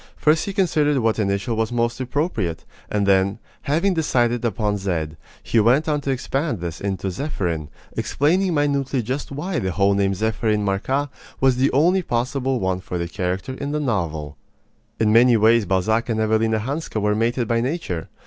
First he considered what initial was most appropriate; and then, having decided upon Z, he went on to expand this into Zepherin, explaining minutely just why the whole name Zepherin Marcas, was the only possible one for the character in the novel. In many ways Balzac and Evelina Hanska were mated by nature.